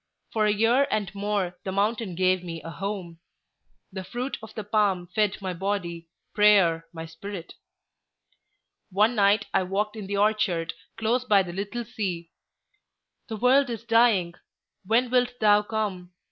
For a year and more the mountain gave me a home. The fruit of the palm fed my body, prayer my spirit. One night I walked in the orchard close by the little sea. 'The world is dying. When wilt thou come?